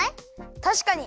たしかに！